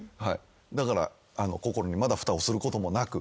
だから心にまだふたをすることもなく。